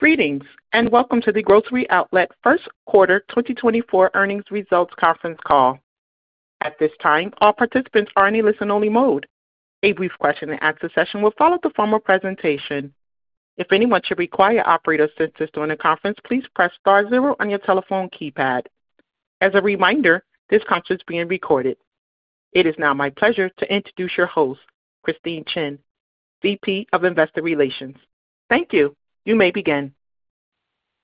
Greetings, and welcome to the Grocery Outlet first quarter 2024 earnings results conference call. At this time, all participants are in a listen-only mode. A brief question-and-answer session will follow the formal presentation. If anyone should require operator assistance during the conference, please press star zero on your telephone keypad. As a reminder, this conference is being recorded. It is now my pleasure to introduce your host, Christine Chen, VP of Investor Relations. Thank you. You may begin.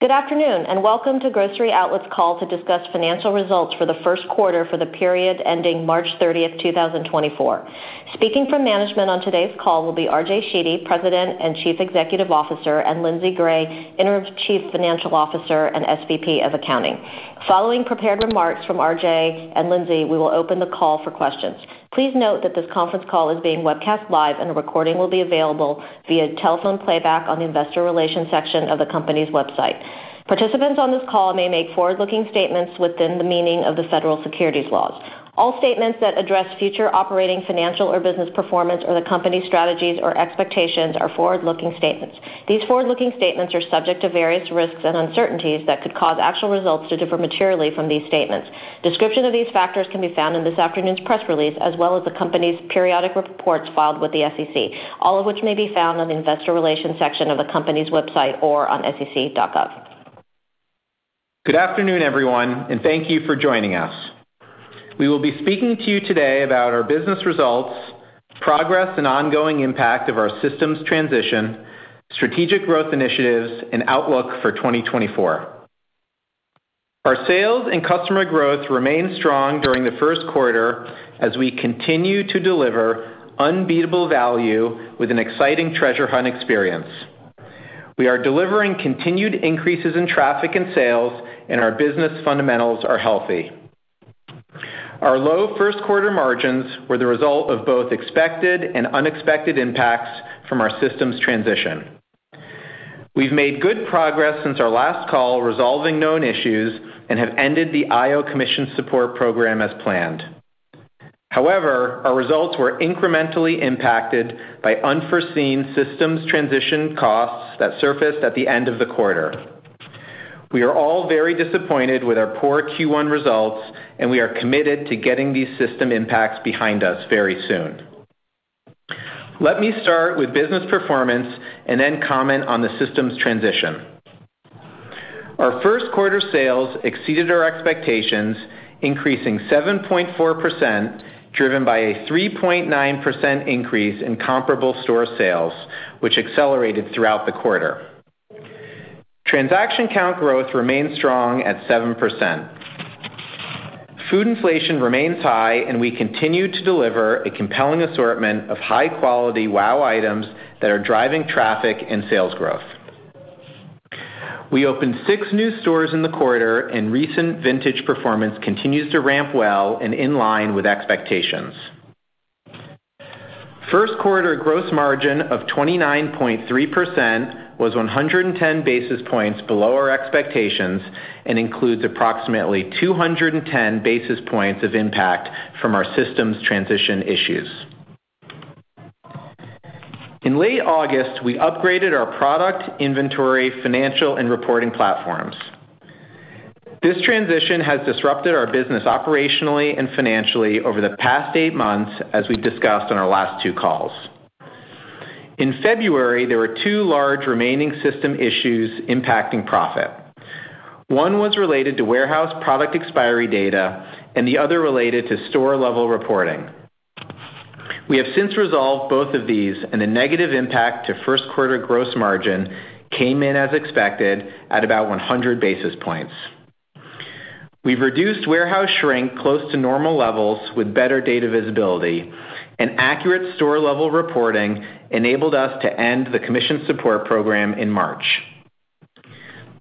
Good afternoon, and welcome to Grocery Outlet's call to discuss financial results for the first quarter for the period ending March 30, 2024. Speaking from management on today's call will be RJ Sheedy, President and Chief Executive Officer, and Lindsay Gray, Interim Chief Financial Officer and SVP of Accounting. Following prepared remarks from RJ and Lindsay, we will open the call for questions. Please note that this conference call is being webcast live, and a recording will be available via telephone playback on the investor relations section of the company's website. Participants on this call may make forward-looking statements within the meaning of the federal securities laws. All statements that address future operating, financial, or business performance or the company's strategies or expectations are forward-looking statements. These forward-looking statements are subject to various risks and uncertainties that could cause actual results to differ materially from these statements. Description of these factors can be found in this afternoon's press release, as well as the company's periodic reports filed with the SEC, all of which may be found on the investor relations section of the company's website or on sec.gov. Good afternoon, everyone, and thank you for joining us. We will be speaking to you today about our business results, progress, and ongoing impact of our systems transition, strategic growth initiatives, and outlook for 2024. Our sales and customer growth remained strong during the first quarter as we continue to deliver unbeatable value with an exciting treasure hunt experience. We are delivering continued increases in traffic and sales, and our business fundamentals are healthy. Our low first quarter margins were the result of both expected and unexpected impacts from our systems transition. We've made good progress since our last call, resolving known issues, and have ended the IO Commission Support Program as planned. However, our results were incrementally impacted by unforeseen systems transition costs that surfaced at the end of the quarter. We are all very disappointed with our poor Q1 results, and we are committed to getting these system impacts behind us very soon. Let me start with business performance and then comment on the systems transition. Our first quarter sales exceeded our expectations, increasing 7.4%, driven by a 3.9% increase in comparable store sales, which accelerated throughout the quarter. Transaction count growth remained strong at 7%. Food inflation remains high, and we continue to deliver a compelling assortment of high-quality WOW items that are driving traffic and sales growth. We opened six new stores in the quarter, and recent vintage performance continues to ramp well and in line with expectations. First quarter gross margin of 29.3% was 110 basis points below our expectations and includes approximately 210 basis points of impact from our systems transition issues. In late August, we upgraded our product, inventory, financial, and reporting platforms. This transition has disrupted our business operationally and financially over the past eight months, as we discussed on our last two calls. In February, there were two large remaining system issues impacting profit. One was related to warehouse product expiry data and the other related to store-level reporting. We have since resolved both of these, and the negative impact to first quarter gross margin came in as expected at about 100 basis points. We've reduced warehouse shrink close to normal levels with better data visibility, and accurate store-level reporting enabled us to end the Commission Support Program in March.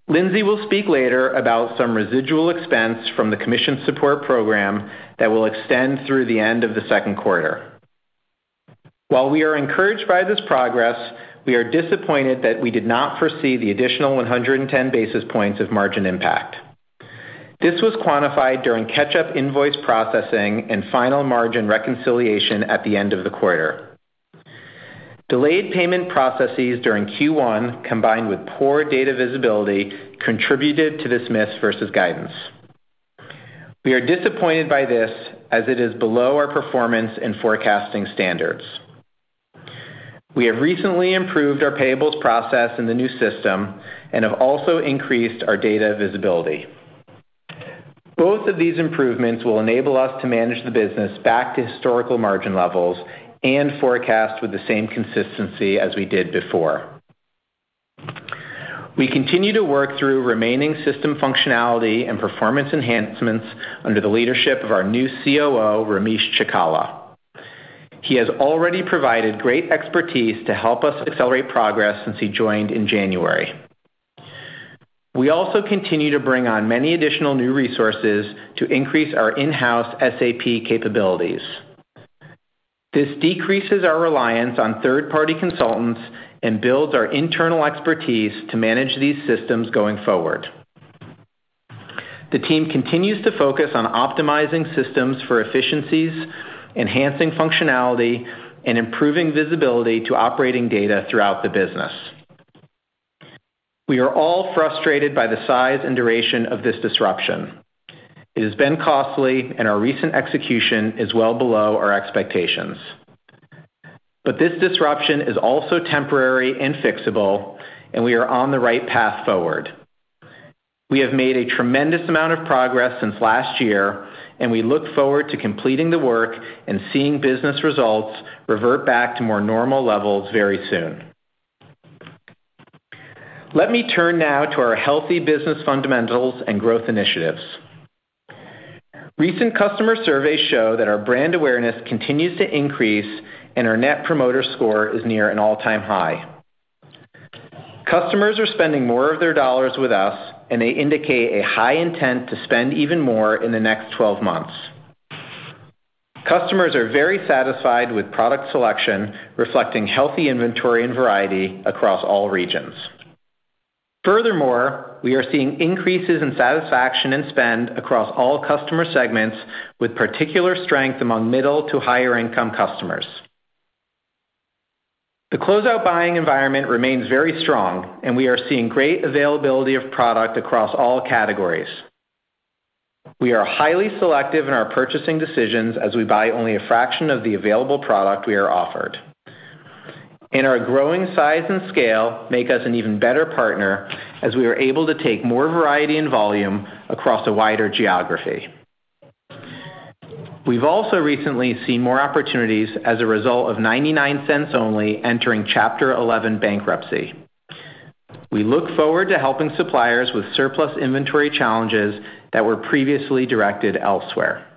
Lindsay will speak later about some residual expense from the Commission Support Program that will extend through the end of the second quarter. While we are encouraged by this progress, we are disappointed that we did not foresee the additional 110 basis points of margin impact. This was quantified during catch-up invoice processing and final margin reconciliation at the end of the quarter. Delayed payment processes during Q1, combined with poor data visibility, contributed to this miss versus guidance. We are disappointed by this as it is below our performance and forecasting standards. We have recently improved our payables process in the new system and have also increased our data visibility. Both of these improvements will enable us to manage the business back to historical margin levels and forecast with the same consistency as we did before. We continue to work through remaining system functionality and performance enhancements under the leadership of our new COO, Ramesh Chikkala. He has already provided great expertise to help us accelerate progress since he joined in January. We also continue to bring on many additional new resources to increase our in-house SAP capabilities. This decreases our reliance on third-party consultants and builds our internal expertise to manage these systems going forward.... The team continues to focus on optimizing systems for efficiencies, enhancing functionality, and improving visibility to operating data throughout the business. We are all frustrated by the size and duration of this disruption. It has been costly, and our recent execution is well below our expectations. But this disruption is also temporary and fixable, and we are on the right path forward. We have made a tremendous amount of progress since last year, and we look forward to completing the work and seeing business results revert back to more normal levels very soon. Let me turn now to our healthy business fundamentals and growth initiatives. Recent customer surveys show that our brand awareness continues to increase, and our Net Promoter Score is near an all-time high. Customers are spending more of their dollars with us, and they indicate a high intent to spend even more in the next 12 months. Customers are very satisfied with product selection, reflecting healthy inventory and variety across all regions. Furthermore, we are seeing increases in satisfaction and spend across all customer segments, with particular strength among middle to higher-income customers. The closeout buying environment remains very strong, and we are seeing great availability of product across all categories. We are highly selective in our purchasing decisions as we buy only a fraction of the available product we are offered, and our growing size and scale make us an even better partner as we are able to take more variety and volume across a wider geography. We've also recently seen more opportunities as a result of 99 Cents Only entering Chapter 11 bankruptcy. We look forward to helping suppliers with surplus inventory challenges that were previously directed elsewhere.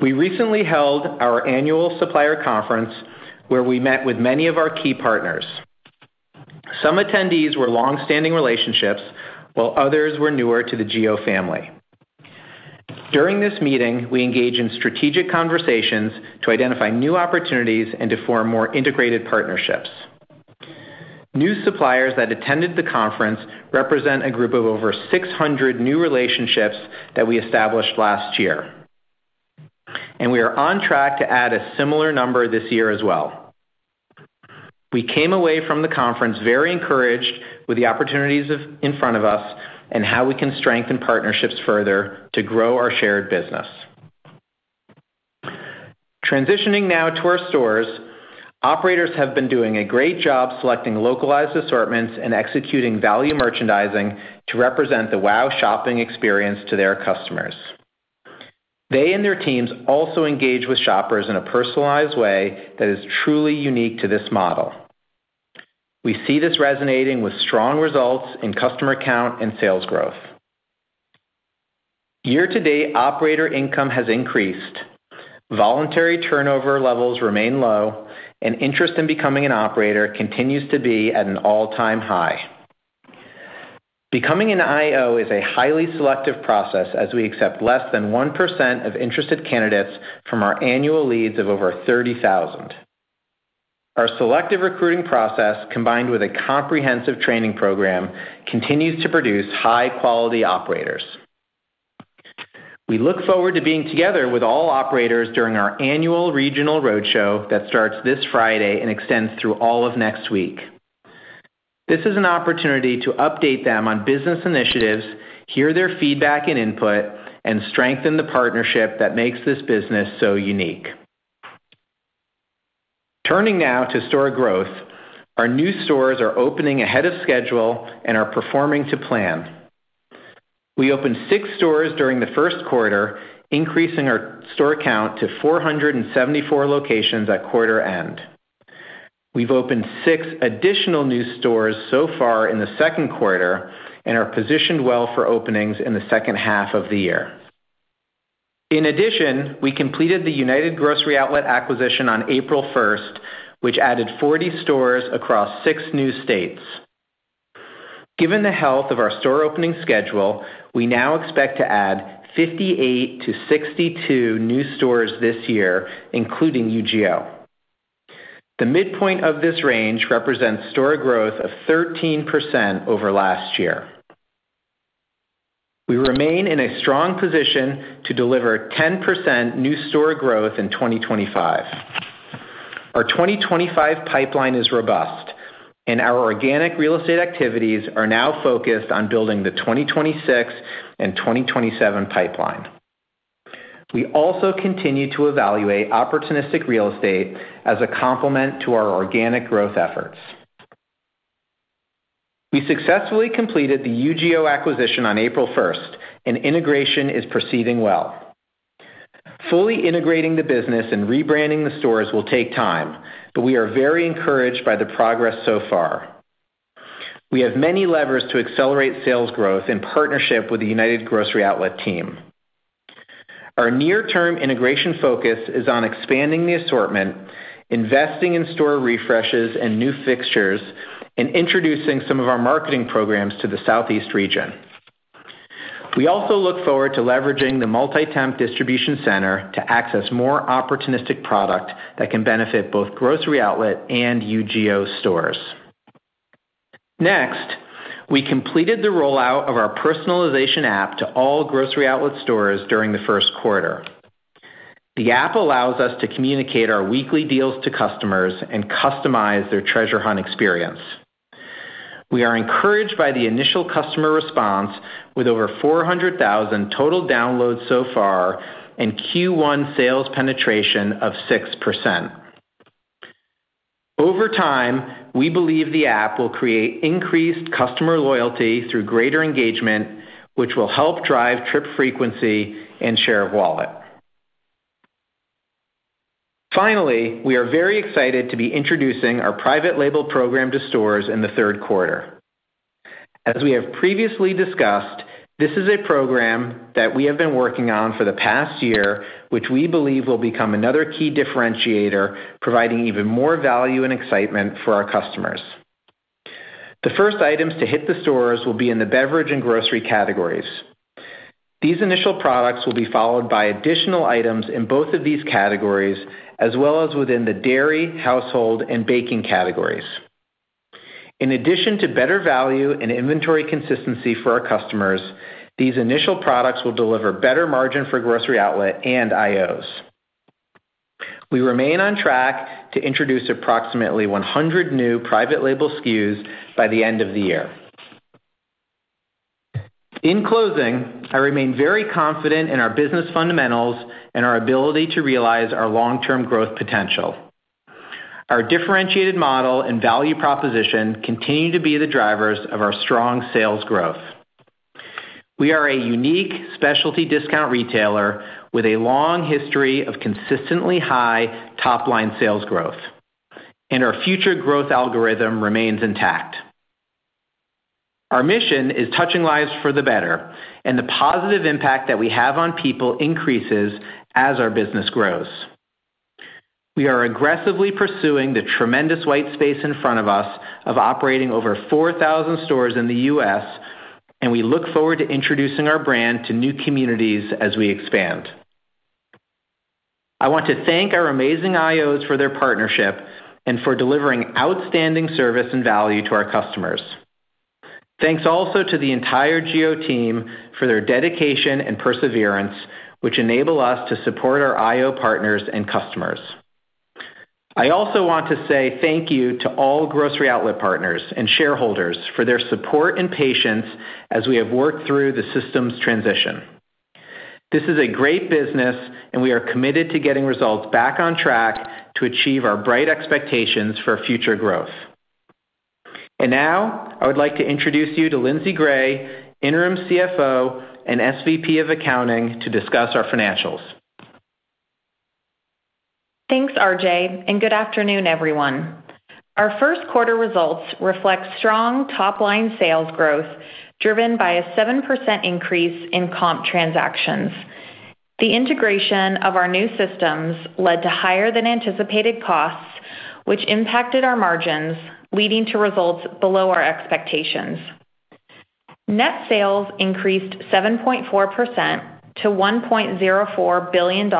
We recently held our annual supplier conference, where we met with many of our key partners. Some attendees were long-standing relationships, while others were newer to the GO family. During this meeting, we engaged in strategic conversations to identify new opportunities and to form more integrated partnerships. New suppliers that attended the conference represent a group of over 600 new relationships that we established last year, and we are on track to add a similar number this year as well. We came away from the conference very encouraged with the opportunities in front of us and how we can strengthen partnerships further to grow our shared business. Transitioning now to our stores, operators have been doing a great job selecting localized assortments and executing value merchandising to represent the WOW shopping experience to their customers. They and their teams also engage with shoppers in a personalized way that is truly unique to this model. We see this resonating with strong results in customer count and sales growth. Year-to-date, operator income has increased, voluntary turnover levels remain low, and interest in becoming an operator continues to be at an all-time high. Becoming an IO is a highly selective process, as we accept less than 1% of interested candidates from our annual leads of over 30,000. Our selective recruiting process, combined with a comprehensive training program, continues to produce high-quality operators. We look forward to being together with all operators during our annual regional roadshow that starts this Friday and extends through all of next week. This is an opportunity to update them on business initiatives, hear their feedback and input, and strengthen the partnership that makes this business so unique. Turning now to store growth, our new stores are opening ahead of schedule and are performing to plan. We opened six stores during the first quarter, increasing our store count to 474 locations at quarter end. We've opened six additional new stores so far in the second quarter and are positioned well for openings in the second half of the year. In addition, we completed the United Grocery Outlet acquisition on April first, which added 40 stores across six new states. Given the health of our store opening schedule, we now expect to add 58-62 new stores this year, including UGO. The midpoint of this range represents store growth of 13% over last year. We remain in a strong position to deliver 10% new store growth in 2025. Our 2025 pipeline is robust, and our organic real estate activities are now focused on building the 2026 and 2027 pipeline. We also continue to evaluate opportunistic real estate as a complement to our organic growth efforts. We successfully completed the UGO acquisition on April 1, and integration is proceeding well. Fully integrating the business and rebranding the stores will take time, but we are very encouraged by the progress so far. We have many levers to accelerate sales growth in partnership with the United Grocery Outlet team. Our near-term integration focus is on expanding the assortment, investing in store refreshes and new fixtures, and introducing some of our marketing programs to the Southeast region. We also look forward to leveraging the multi-temp distribution center to access more opportunistic product that can benefit both Grocery Outlet and UGO stores… Next, we completed the rollout of our personalization app to all Grocery Outlet stores during the first quarter. The app allows us to communicate our weekly deals to customers and customize their treasure hunt experience. We are encouraged by the initial customer response, with over 400,000 total downloads so far and Q1 sales penetration of 6%. Over time, we believe the app will create increased customer loyalty through greater engagement, which will help drive trip frequency and share of wallet. Finally, we are very excited to be introducing our private label program to stores in the third quarter. As we have previously discussed, this is a program that we have been working on for the past year, which we believe will become another key differentiator, providing even more value and excitement for our customers. The first items to hit the stores will be in the beverage and grocery categories. These initial products will be followed by additional items in both of these categories, as well as within the dairy, household, and baking categories. In addition to better value and inventory consistency for our customers, these initial products will deliver better margin for Grocery Outlet and IOs. We remain on track to introduce approximately 100 new private label SKUs by the end of the year. In closing, I remain very confident in our business fundamentals and our ability to realize our long-term growth potential. Our differentiated model and value proposition continue to be the drivers of our strong sales growth. We are a unique specialty discount retailer with a long history of consistently high top-line sales growth, and our future growth algorithm remains intact. Our mission is touching lives for the better, and the positive impact that we have on people increases as our business grows. We are aggressively pursuing the tremendous white space in front of us of operating over 4,000 stores in the U.S., and we look forward to introducing our brand to new communities as we expand. I want to thank our amazing IOs for their partnership and for delivering outstanding service and value to our customers. Thanks also to the entire GO team for their dedication and perseverance, which enable us to support our IO partners and customers. I also want to say thank you to all Grocery Outlet partners and shareholders for their support and patience as we have worked through the systems transition. This is a great business, and we are committed to getting results back on track to achieve our bright expectations for future growth. And now, I would like to introduce you to Lindsay Gray, Interim CFO and SVP of Accounting, to discuss our financials. Thanks, RJ, and good afternoon, everyone. Our first quarter results reflect strong top-line sales growth, driven by a 7% increase in comp transactions. The integration of our new systems led to higher-than-anticipated costs, which impacted our margins, leading to results below our expectations. Net sales increased 7.4% to $1.04 billion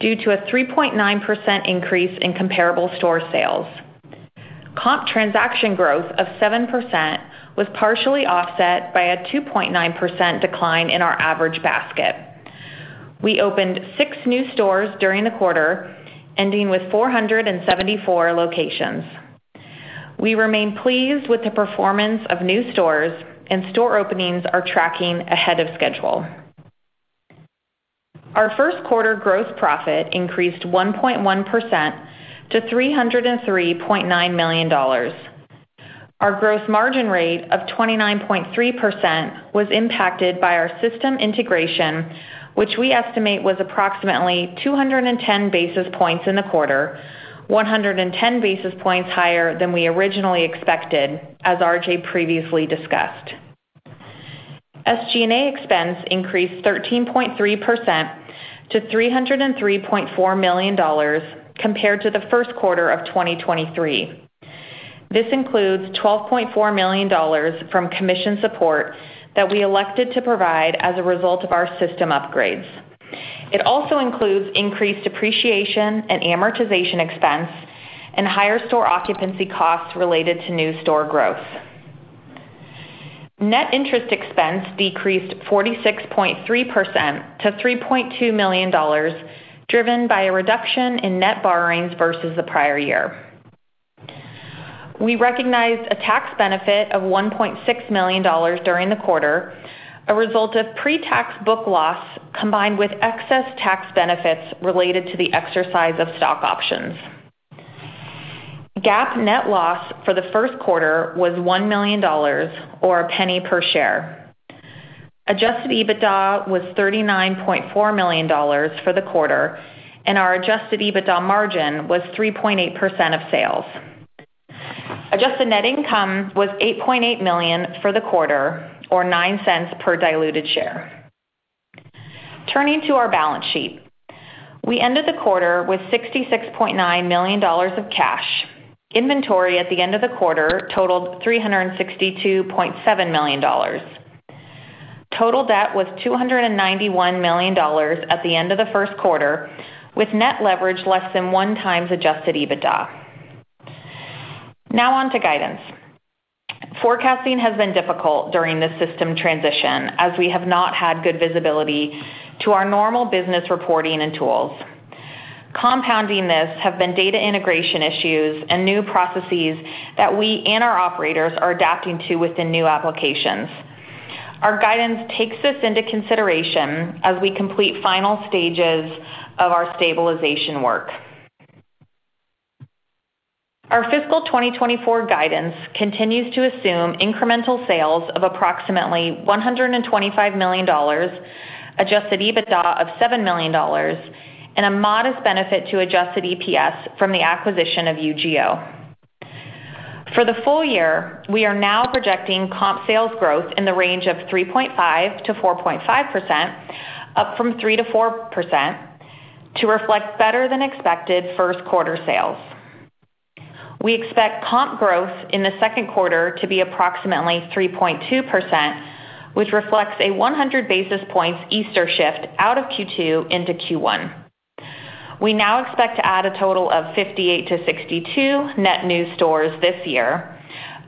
due to a 3.9% increase in comparable store sales. Comp transaction growth of 7% was partially offset by a 2.9% decline in our average basket. We opened six new stores during the quarter, ending with 474 locations. We remain pleased with the performance of new stores, and store openings are tracking ahead of schedule. Our first quarter gross profit increased 1.1% to $303.9 million. Our gross margin rate of 29.3% was impacted by our system integration, which we estimate was approximately 210 basis points in the quarter, 110 basis points higher than we originally expected, as RJ previously discussed. SG&A expense increased 13.3% to $303.4 million compared to the first quarter of 2023. This includes $12.4 million from commission support that we elected to provide as a result of our system upgrades. It also includes increased depreciation and amortization expense and higher store occupancy costs related to new store growth. Net interest expense decreased 46.3% to $3.2 million, driven by a reduction in net borrowings versus the prior year. We recognized a tax benefit of $1.6 million during the quarter, a result of pre-tax book loss, combined with excess tax benefits related to the exercise of stock options. GAAP net loss for the first quarter was $1 million or $0.01 per share. Adjusted EBITDA was $39.4 million for the quarter, and our Adjusted EBITDA margin was 3.8% of sales. Adjusted net income was $8.8 million for the quarter, or $0.09 per diluted share. Turning to our balance sheet. We ended the quarter with $66.9 million of cash. Inventory at the end of the quarter totaled $362.7 million... Total debt was $291 million at the end of the first quarter, with net leverage less than 1x Adjusted EBITDA. Now on to guidance. Forecasting has been difficult during this system transition, as we have not had good visibility to our normal business reporting and tools. Compounding this have been data integration issues and new processes that we and our operators are adapting to within new applications. Our guidance takes this into consideration as we complete final stages of our stabilization work. Our fiscal 2024 guidance continues to assume incremental sales of approximately $125 million, adjusted EBITDA of $7 million, and a modest benefit to adjusted EPS from the acquisition of UGO. For the full year, we are now projecting comp sales growth in the range of 3.5%-4.5%, up from 3%-4%, to reflect better-than-expected first quarter sales. We expect comp growth in the second quarter to be approximately 3.2%, which reflects a 100 basis points Easter shift out of Q2 into Q1. We now expect to add a total of 58-60 net new stores this year,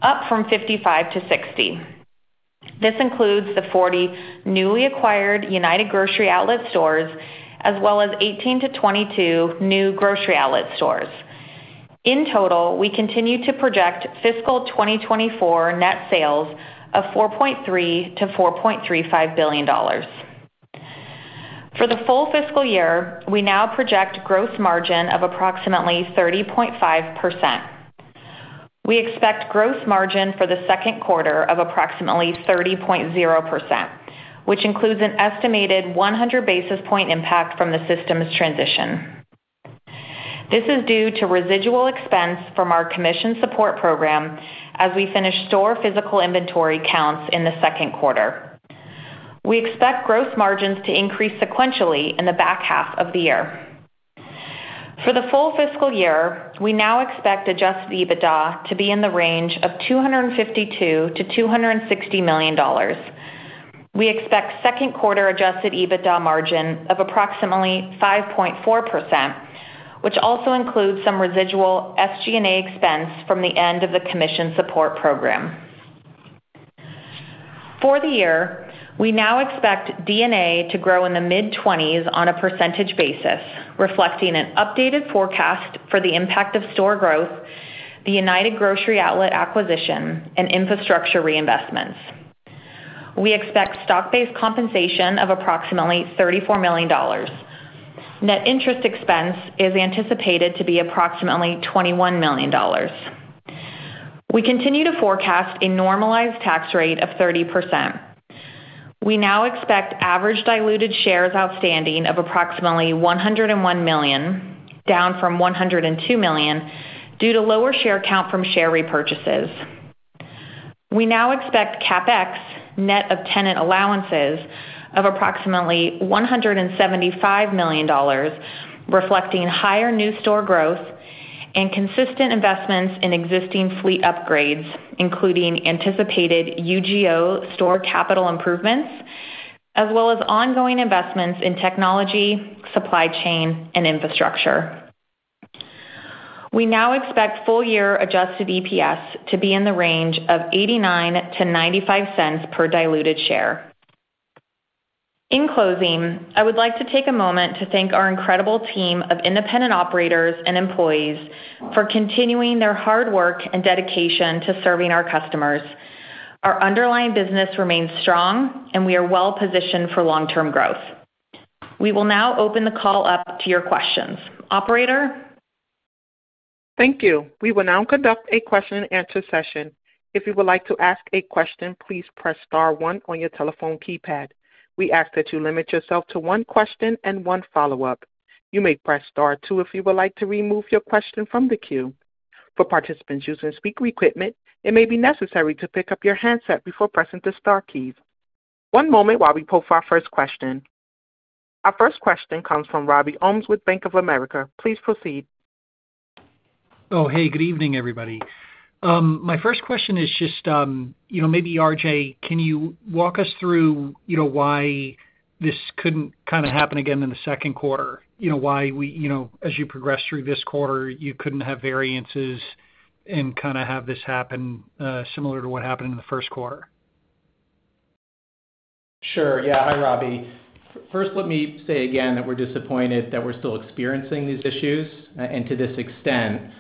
up from 55-60. This includes the 40 newly acquired United Grocery Outlet stores, as well as 18-22 new Grocery Outlet stores. In total, we continue to project fiscal 2024 net sales of $4.3 billion-$4.35 billion. For the full fiscal year, we now project gross margin of approximately 30.5%. We expect gross margin for the second quarter of approximately 30.0%, which includes an estimated 100 basis point impact from the systems transition. This is due to residual expense from our Commission Support Program as we finish store physical inventory counts in the second quarter. We expect gross margins to increase sequentially in the back half of the year. For the full fiscal year, we now expect adjusted EBITDA to be in the range of $252 million-$260 million. We expect second quarter adjusted EBITDA margin of approximately 5.4%, which also includes some residual SG&A expense from the end of the Commission Support Program. For the year, we now expect D&A to grow in the mid-20s%, reflecting an updated forecast for the impact of store growth, the United Grocery Outlet acquisition, and infrastructure reinvestments. We expect stock-based compensation of approximately $34 million. Net interest expense is anticipated to be approximately $21 million. We continue to forecast a normalized tax rate of 30%. We now expect average diluted shares outstanding of approximately 101 million, down from 102 million, due to lower share count from share repurchases. We now expect CapEx net of tenant allowances of approximately $175 million, reflecting higher new store growth and consistent investments in existing fleet upgrades, including anticipated UGO store capital improvements, as well as ongoing investments in technology, supply chain, and infrastructure. We now expect full year adjusted EPS to be in the range of $0.89-$0.95 per diluted share. In closing, I would like to take a moment to thank our incredible team of independent operators and employees for continuing their hard work and dedication to serving our customers. Our underlying business remains strong, and we are well positioned for long-term growth. We will now open the call up to your questions. Operator? Thank you. We will now conduct a question-and-answer session. If you would like to ask a question, please press star one on your telephone keypad. We ask that you limit yourself to one question and one follow-up. You may press star two if you would like to remove your question from the queue. For participants using speaker equipment, it may be necessary to pick up your handset before pressing the star key. One moment while we pull for our first question. Our first question comes from Robert Ohmes with Bank of America. Please proceed. Oh, hey, good evening, everybody. My first question is just, you know, maybe RJ, can you walk us through, you know, why this couldn't kind of happen again in the second quarter? You know, why we, you know, as you progress through this quarter, you couldn't have variances and kind of have this happen, similar to what happened in the first quarter? Sure. Yeah. Hi, Robbie. First, let me say again that we're disappointed that we're still experiencing these issues and to this extent.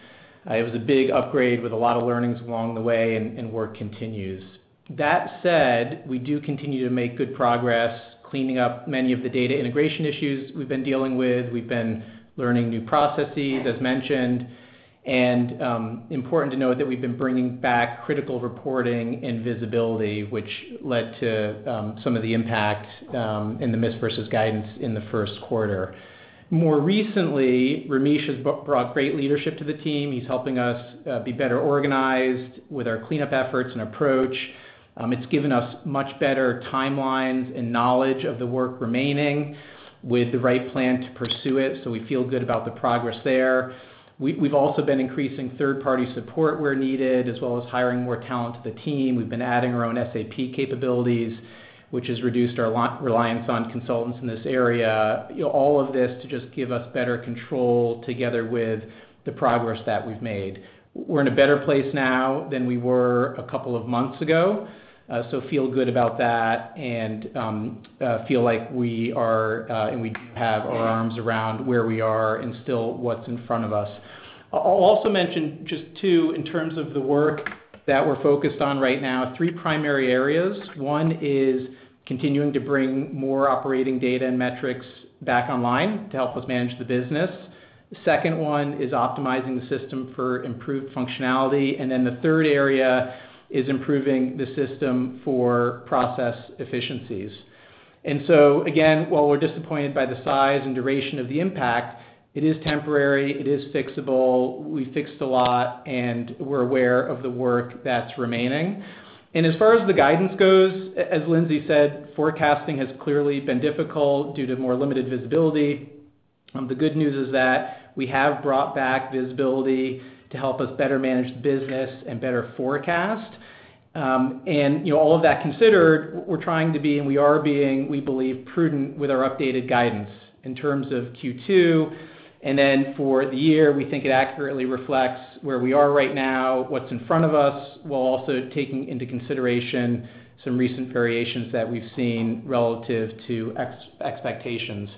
It was a big upgrade with a lot of learnings along the way, and work continues. That said, we do continue to make good progress cleaning up many of the data integration issues we've been dealing with. We've been learning new processes, as mentioned, and important to note that we've been bringing back critical reporting and visibility, which led to some of the impact in the miss versus guidance in the first quarter. More recently, Ramesh has brought great leadership to the team. He's helping us be better organized with our cleanup efforts and approach.... It's given us much better timelines and knowledge of the work remaining with the right plan to pursue it, so we feel good about the progress there. We've also been increasing third-party support where needed, as well as hiring more talent to the team. We've been adding our own SAP capabilities, which has reduced our reliance on consultants in this area. All of this to just give us better control together with the progress that we've made. We're in a better place now than we were a couple of months ago, so feel good about that, and feel like we are and we have our arms around where we are and still what's in front of us. I'll also mention just, too, in terms of the work that we're focused on right now, three primary areas. One is continuing to bring more operating data and metrics back online to help us manage the business. The second one is optimizing the system for improved functionality, and then the third area is improving the system for process efficiencies. And so, again, while we're disappointed by the size and duration of the impact, it is temporary, it is fixable, we fixed a lot, and we're aware of the work that's remaining. And as far as the guidance goes, as Lindsay said, forecasting has clearly been difficult due to more limited visibility. The good news is that we have brought back visibility to help us better manage the business and better forecast. And, you know, all of that considered, we're trying to be, and we are being, we believe, prudent with our updated guidance in terms of Q2. And then for the year, we think it accurately reflects where we are right now, what's in front of us, while also taking into consideration some recent variations that we've seen relative to expectations.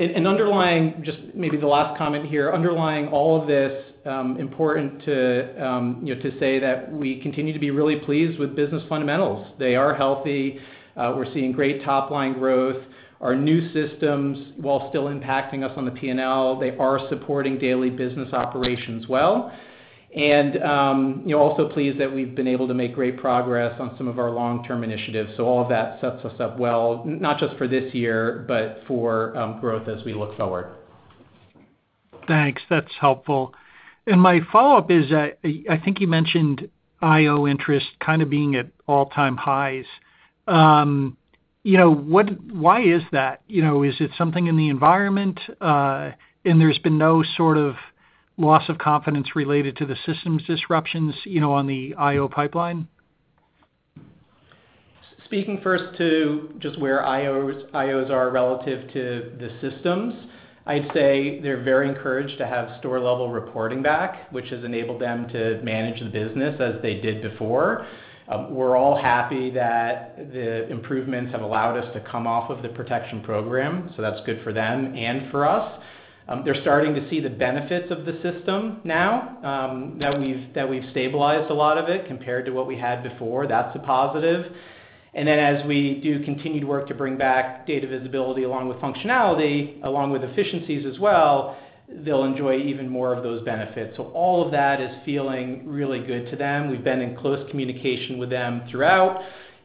And underlying, just maybe the last comment here, underlying all of this, important to, you know, to say that we continue to be really pleased with business fundamentals. They are healthy. We're seeing great top-line growth. Our new systems, while still impacting us on the P&L, they are supporting daily business operations well. And, you know, also pleased that we've been able to make great progress on some of our long-term initiatives. So all of that sets us up well, not just for this year, but for growth as we look forward. Thanks. That's helpful. My follow-up is, I think you mentioned IO interest kind of being at all-time highs. You know, what-- why is that? You know, is it something in the environment, and there's been no sort of loss of confidence related to the systems disruptions, you know, on the IO pipeline? Speaking first to just where IO, IOs are relative to the systems, I'd say they're very encouraged to have store-level reporting back, which has enabled them to manage the business as they did before. We're all happy that the improvements have allowed us to come off of the protection program, so that's good for them and for us. They're starting to see the benefits of the system now, that we've stabilized a lot of it compared to what we had before. That's a positive. And then as we do continued work to bring back data visibility, along with functionality, along with efficiencies as well, they'll enjoy even more of those benefits. So all of that is feeling really good to them. We've been in close communication with them throughout,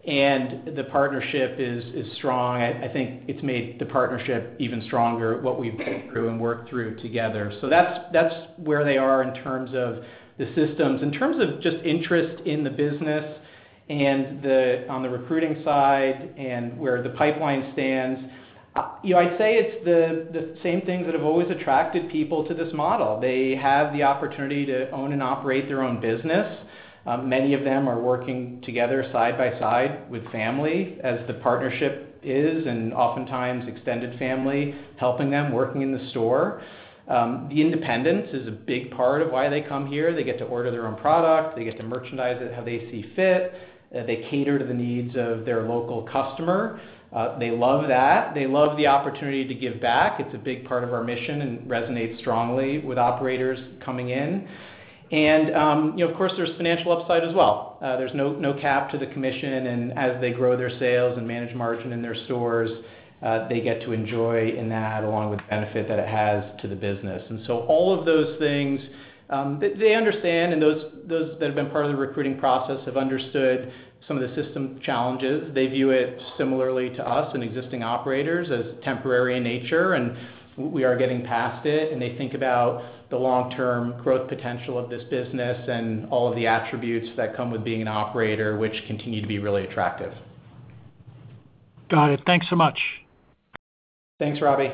and the partnership is strong. I think it's made the partnership even stronger, what we've been through and worked through together. So that's where they are in terms of the systems. In terms of just interest in the business and the, on the recruiting side and where the pipeline stands, you know, I'd say it's the same things that have always attracted people to this model. They have the opportunity to own and operate their own business. Many of them are working together side by side with family, as the partnership is, and oftentimes extended family, helping them, working in the store. The independence is a big part of why they come here. They get to order their own product, they get to merchandise it how they see fit, they cater to the needs of their local customer. They love that. They love the opportunity to give back. It's a big part of our mission and resonates strongly with operators coming in. You know, of course, there's financial upside as well. There's no cap to the commission, and as they grow their sales and manage margin in their stores, they get to enjoy in that, along with the benefit that it has to the business. So all of those things, they understand, and those that have been part of the recruiting process have understood some of the system challenges. They view it similarly to us and existing operators as temporary in nature, and we are getting past it, and they think about the long-term growth potential of this business and all of the attributes that come with being an operator, which continue to be really attractive. Got it. Thanks so much. Thanks, Robbie.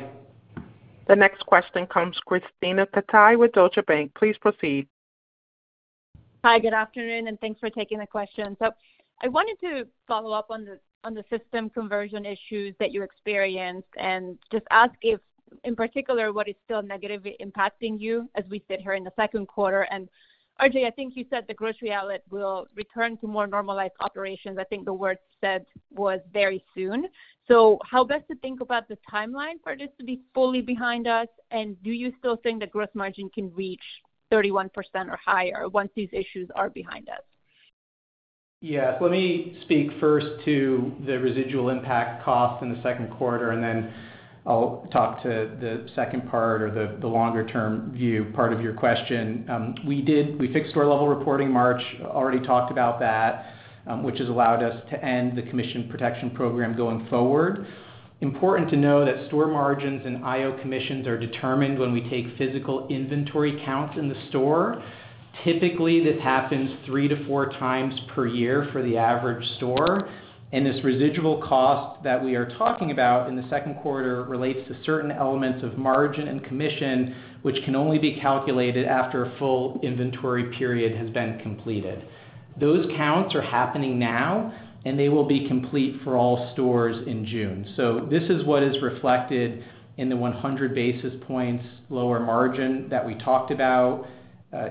The next question comes from Krisztina Katai with Deutsche Bank. Please proceed. Hi, good afternoon, and thanks for taking the question. So I wanted to follow up on the system conversion issues that you experienced and just ask if, in particular, what is still negatively impacting you as we sit here in the second quarter? And RJ, I think you said the Grocery Outlet will return to more normalized operations. I think the word said was very soon. So how best to think about the timeline for this to be fully behind us? And do you still think the gross margin can reach 31% or higher once these issues are behind us? Yes. Let me speak first to the residual impact costs in the second quarter, and then I'll talk to the second part or the, the longer-term view part of your question. We fixed store-level reporting in March, already talked about that, which has allowed us to end the commission protection program going forward. Important to know that store margins and IO commissions are determined when we take physical inventory counts in the store. Typically, this happens 3x to 4x per year for the average store, and this residual cost that we are talking about in the second quarter relates to certain elements of margin and commission, which can only be calculated after a full inventory period has been completed. Those counts are happening now, and they will be complete for all stores in June. So this is what is reflected in the 100 basis points lower margin that we talked about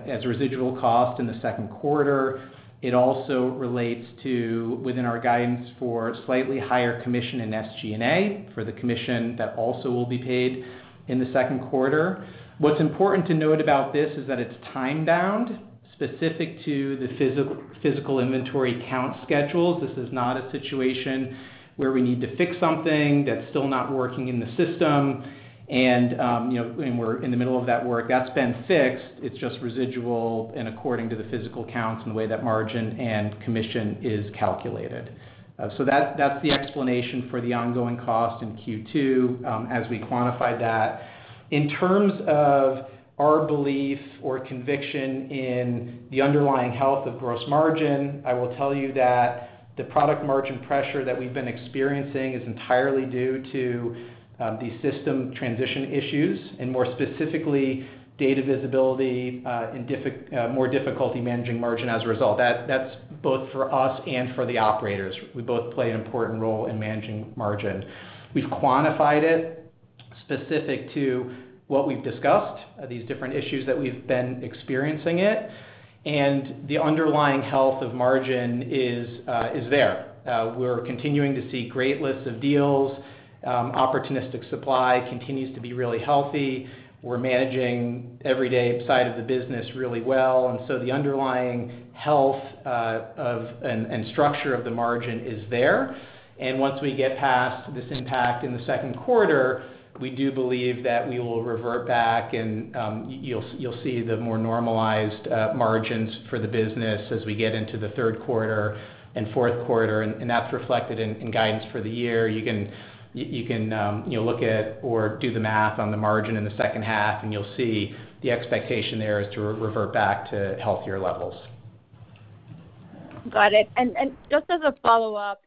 as a residual cost in the second quarter. It also relates to within our guidance for slightly higher commission in SG&A, for the commission that also will be paid in the second quarter. What's important to note about this is that it's time-bound, specific to the physical inventory count schedules. This is not a situation where we need to fix something that's still not working in the system. And you know, we're in the middle of that work. That's been fixed. It's just residual and according to the physical counts and the way that margin and commission is calculated. So that's the explanation for the ongoing cost in Q2, as we quantify that. In terms of our belief or conviction in the underlying health of gross margin, I will tell you that the product margin pressure that we've been experiencing is entirely due to the system transition issues, and more specifically, data visibility and more difficulty managing margin as a result. That's both for us and for the operators. We both play an important role in managing margin. We've quantified it specific to what we've discussed, these different issues that we've been experiencing it, and the underlying health of margin is there. We're continuing to see great lists of deals. Opportunistic supply continues to be really healthy. We're managing every day side of the business really well, and so the underlying health of and structure of the margin is there. Once we get past this impact in the second quarter, we do believe that we will revert back and you'll, you'll see the more normalized margins for the business as we get into the third quarter and fourth quarter, and that's reflected in guidance for the year. You can, you can, you know, look at or do the math on the margin in the second half, and you'll see the expectation there is to revert back to healthier levels. Got it. And just as a follow-up,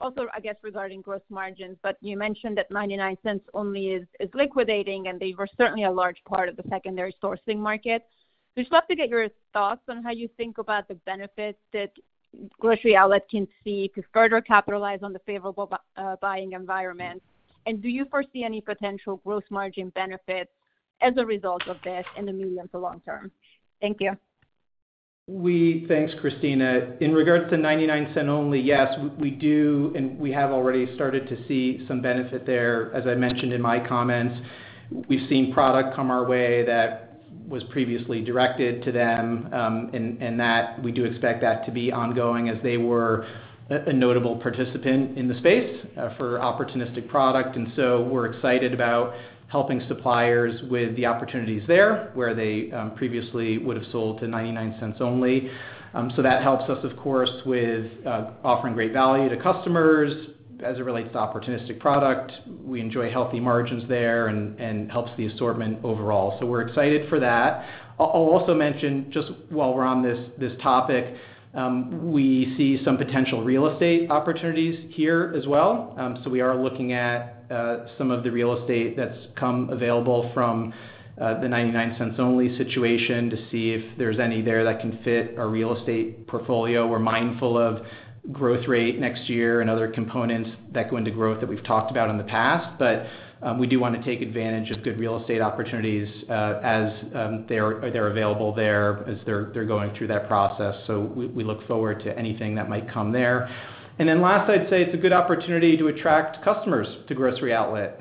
also, I guess, regarding gross margins, but you mentioned that 99 Cents Only is liquidating, and they were certainly a large part of the secondary sourcing market. Just love to get your thoughts on how you think about the benefits that Grocery Outlet can see to further capitalize on the favorable buying environment. And do you foresee any potential gross margin benefits as a result of this in the medium to long term? Thank you. Thanks, Christine. In regards to 99 Cents Only, yes, we do, and we have already started to see some benefit there. As I mentioned in my comments, we've seen product come our way that was previously directed to them, and that we do expect that to be ongoing as they were a notable participant in the space for opportunistic product. And so we're excited about helping suppliers with the opportunities there, where they previously would have sold to 99 Cents Only. So that helps us, of course, with offering great value to customers as it relates to opportunistic product. We enjoy healthy margins there and helps the assortment overall. So we're excited for that. I'll also mention, just while we're on this topic, we see some potential real estate opportunities here as well. So we are looking at some of the real estate that's come available from the 99 Cents Only situation to see if there's any there that can fit our real estate portfolio. We're mindful of growth rate next year and other components that go into growth that we've talked about in the past, but we do want to take advantage of good real estate opportunities as they're available there, as they're going through that process. So we look forward to anything that might come there. And then last, I'd say it's a good opportunity to attract customers to Grocery Outlet.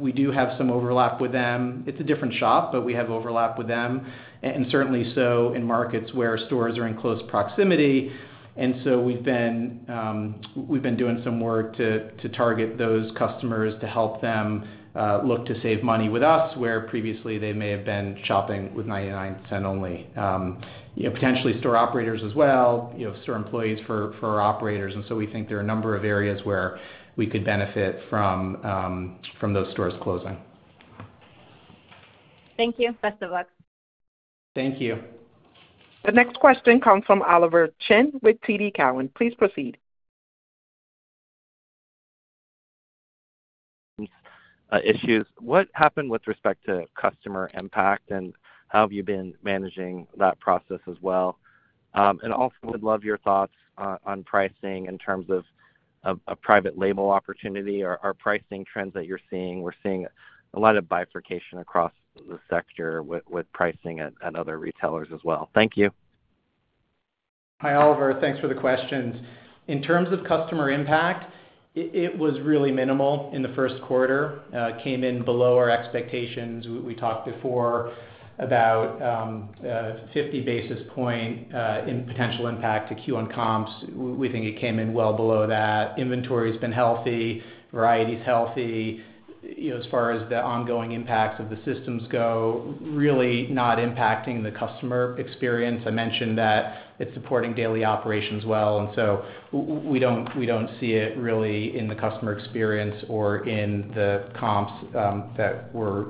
We do have some overlap with them. It's a different shop, but we have overlap with them, and certainly so in markets where stores are in close proximity. And so we've been doing some work to target those customers to help them look to save money with us, where previously they may have been shopping with 99 Cents Only. You know, potentially store operators as well, you have store employees for our operators, and so we think there are a number of areas where we could benefit from those stores closing. Thank you. Best of luck. Thank you. The next question comes from Oliver Chen with TD Cowen. Please proceed. Issues. What happened with respect to customer impact, and how have you been managing that process as well? And also would love your thoughts on, on pricing in terms of, of a private label opportunity or, or pricing trends that you're seeing. We're seeing a lot of bifurcation across the sector with, with pricing at, at other retailers as well. Thank you. Hi, Oliver. Thanks for the questions. In terms of customer impact. It was really minimal in the first quarter, came in below our expectations. We talked before about 50 basis points in potential impact to Q1 comps. We think it came in well below that. Inventory has been healthy, variety is healthy. You know, as far as the ongoing impact of the systems go, really not impacting the customer experience. I mentioned that it's supporting daily operations well, and so we don't see it really in the customer experience or in the comps that were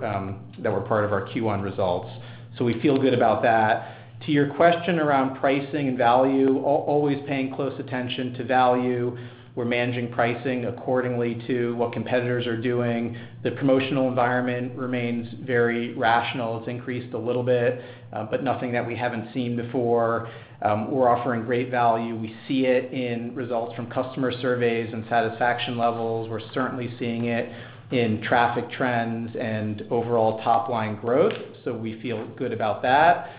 part of our Q1 results. So we feel good about that. To your question around pricing and value, always paying close attention to value. We're managing pricing accordingly to what competitors are doing. The promotional environment remains very rational. It's increased a little bit, but nothing that we haven't seen before. We're offering great value. We see it in results from customer surveys and satisfaction levels. We're certainly seeing it in traffic trends and overall top-line growth, so we feel good about that.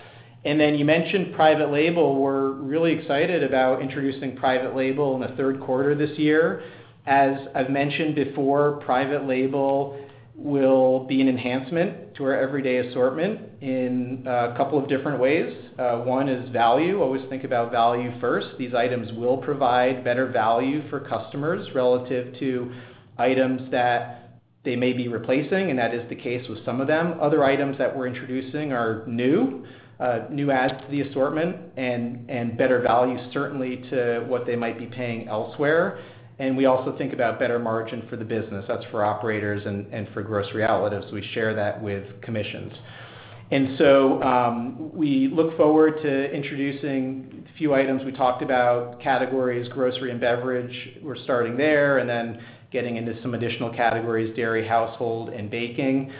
And then you mentioned private label. We're really excited about introducing private label in the third quarter this year. As I've mentioned before, private label will be an enhancement to our everyday assortment in a couple of different ways. One is value. Always think about value first. These items will provide better value for customers relative to items that they may be replacing, and that is the case with some of them. Other items that we're introducing are new, new adds to the assortment and, and better value certainly to what they might be paying elsewhere. And we also think about better margin for the business. That's for operators and for Grocery Outlet. We share that with commissions. And so, we look forward to introducing a few items. We talked about categories, grocery and beverage. We're starting there and then getting into some additional categories, dairy, household, and baking,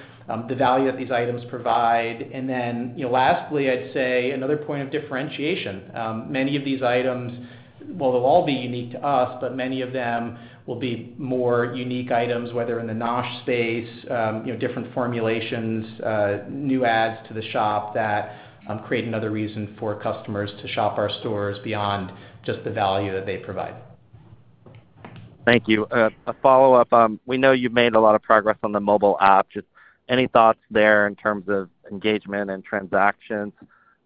the value that these items provide. And then, you know, lastly, I'd say another point of differentiation. Many of these items, well, they'll all be unique to us, but many of them will be more unique items, whether in the NOSH space, you know, different formulations, new adds to the shop that create another reason for customers to shop our stores beyond just the value that they provide. Thank you. A follow-up, we know you've made a lot of progress on the mobile app. Just any thoughts there in terms of engagement and transactions?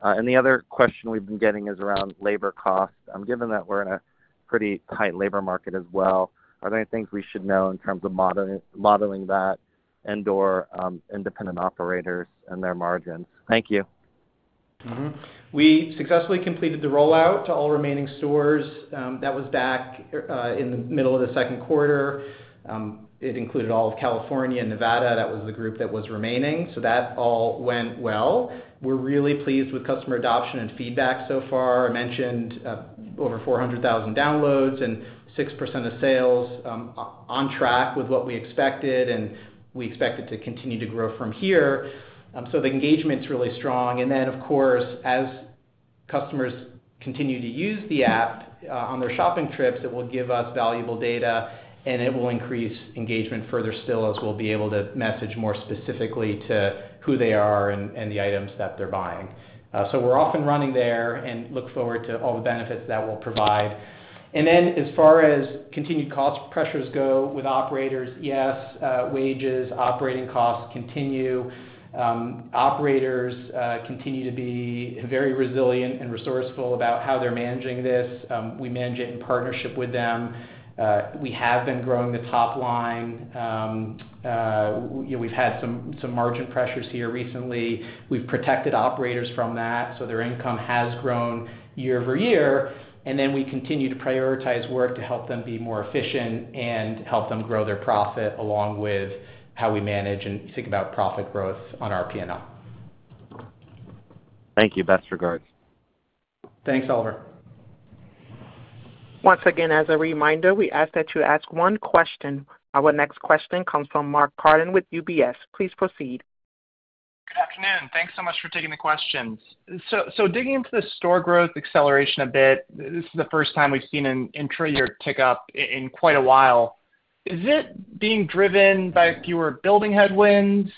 And the other question we've been getting is around labor costs. Given that we're in a pretty tight labor market as well, are there any things we should know in terms of modeling, modeling that and/or, independent operators and their margins? Thank you. Mm-hmm. We successfully completed the rollout to all remaining stores. That was back in the middle of the second quarter. It included all of California and Nevada. That was the group that was remaining, so that all went well. We're really pleased with customer adoption and feedback so far. I mentioned over 400,000 downloads and 6% of sales, on track with what we expected, and we expect it to continue to grow from here. So the engagement's really strong. And then, of course, as customers continue to use the app on their shopping trips, it will give us valuable data, and it will increase engagement further still, as we'll be able to message more specifically to who they are and the items that they're buying. So we're off and running there and look forward to all the benefits that will provide. And then as far as continued cost pressures go with operators, yes, wages, operating costs continue. Operators continue to be very resilient and resourceful about how they're managing this. We manage it in partnership with them. We have been growing the top line. You know, we've had some margin pressures here recently. We've protected operators from that, so their income has grown year over year, and then we continue to prioritize work to help them be more efficient and help them grow their profit, along with how we manage and think about profit growth on our P&L. Thank you. Best regards. Thanks, Oliver. Once again, as a reminder, we ask that you ask one question. Our next question comes from Mark Carden with UBS. Please proceed. Good afternoon. Thanks so much for taking the questions. So, digging into the store growth acceleration a bit, this is the first time we've seen an intra-year tick-up in quite a while. Is it being driven by fewer building headwinds?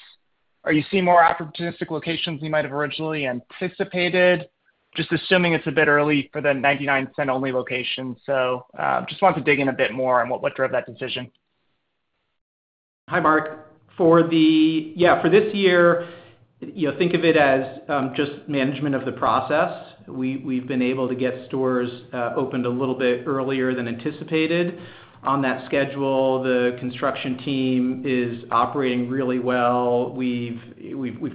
Are you seeing more opportunistic locations you might have originally anticipated? Just assuming it's a bit early for the 99 Cents Only location. So, just wanted to dig in a bit more on what drove that decision. Hi, Mark. For this year, you know, think of it as just management of the process. We've been able to get stores opened a little bit earlier than anticipated. On that schedule, the construction team is operating really well. We've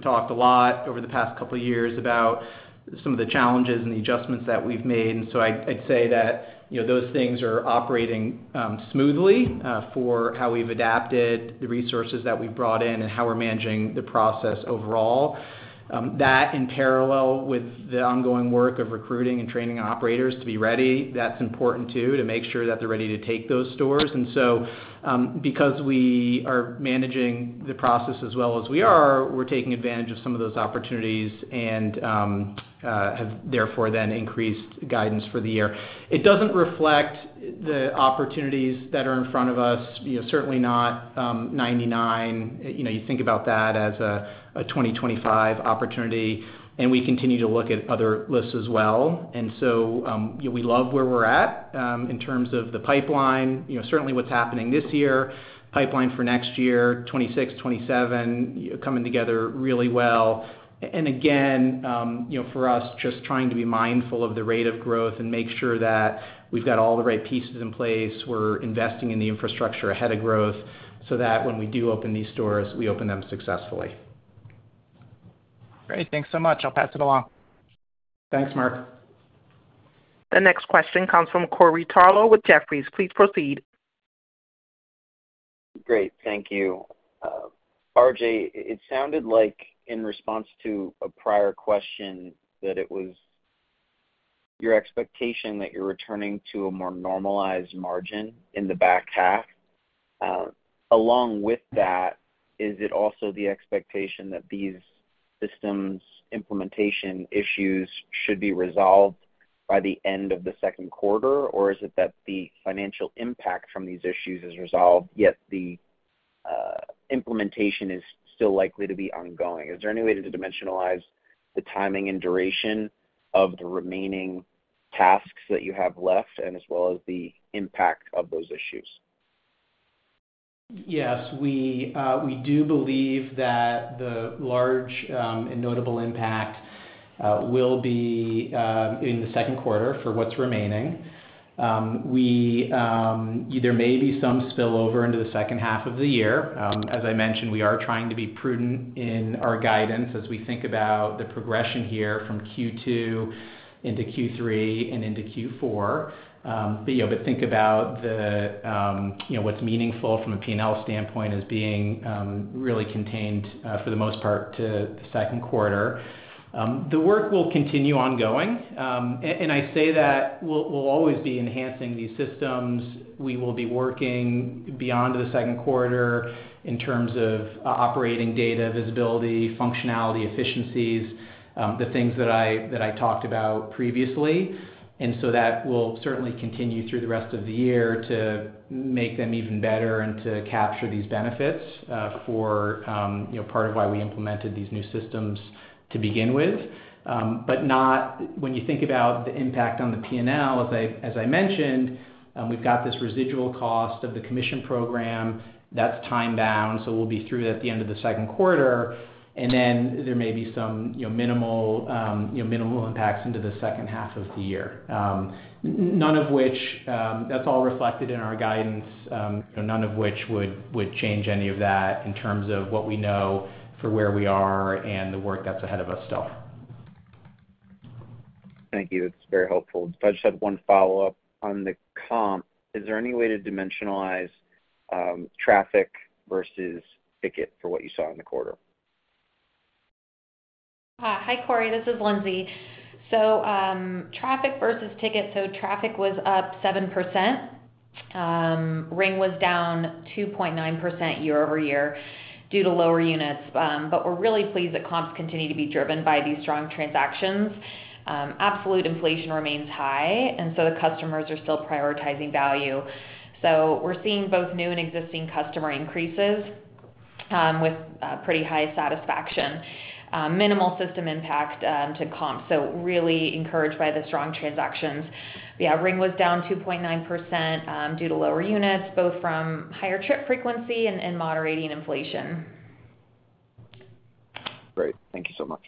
talked a lot over the past couple of years about some of the challenges and the adjustments that we've made, and so I'd say that, you know, those things are operating smoothly, for how we've adapted the resources that we've brought in and how we're managing the process overall. That in parallel with the ongoing work of recruiting and training operators to be ready, that's important too, to make sure that they're ready to take those stores. Because we are managing the process as well as we are, we're taking advantage of some of those opportunities and have therefore then increased guidance for the year. It doesn't reflect the opportunities that are in front of us, you know, certainly not 99. You know, you think about that as a 2025 opportunity, and we continue to look at other lists as well. You know, we love where we're at in terms of the pipeline, you know, certainly what's happening this year, pipeline for next year, 2026, 2027, coming together really well. Again, you know, for us, just trying to be mindful of the rate of growth and make sure that we've got all the right pieces in place. We're investing in the infrastructure ahead of growth so that when we do open these stores, we open them successfully. Great, thanks so much. I'll pass it along. Thanks, Mark. The next question comes from Corey Tarlowe with Jefferies. Please proceed. Great, thank you. RJ, it sounded like in response to a prior question, that it was your expectation that you're returning to a more normalized margin in the back half. Along with that, is it also the expectation that these systems implementation issues should be resolved by the end of the second quarter? Or is it that the financial impact from these issues is resolved, yet the implementation is still likely to be ongoing? Is there any way to dimensionalize the timing and duration of the remaining tasks that you have left, and as well as the impact of those issues? Yes, we do believe that the large and notable impact will be in the second quarter for what's remaining. We, there may be some spillover into the second half of the year. As I mentioned, we are trying to be prudent in our guidance as we think about the progression here from Q2 into Q3 and into Q4. But, you know, but think about the, you know, what's meaningful from a P&L standpoint as being really contained, for the most part, to the second quarter. The work will continue ongoing. And I say that we'll always be enhancing these systems. We will be working beyond the second quarter in terms of operating data, visibility, functionality, efficiencies, the things that I talked about previously. So that will certainly continue through the rest of the year to make them even better and to capture these benefits, you know, part of why we implemented these new systems to begin with. But not when you think about the impact on the P&L, as I mentioned, we've got this residual cost of the commission program that's time-bound, so we'll be through that at the end of the second quarter. And then there may be some, you know, minimal, you know, minimal impacts into the second half of the year. None of which, that's all reflected in our guidance, you know, none of which would change any of that in terms of what we know for where we are and the work that's ahead of us still. Thank you. That's very helpful. I just had one follow-up. On the comp, is there any way to dimensionalize, traffic versus ticket for what you saw in the quarter? Hi, Corey, this is Lindsay. So, traffic versus ticket, so traffic was up 7%. Ring was down 2.9% year-over-year due to lower units. But we're really pleased that comps continue to be driven by these strong transactions. Absolute inflation remains high, and so the customers are still prioritizing value. So we're seeing both new and existing customer increases, with pretty high satisfaction. Minimal system impact to comp, so really encouraged by the strong transactions. Yeah, ring was down 2.9%, due to lower units, both from higher trip frequency and moderating inflation. Great. Thank you so much.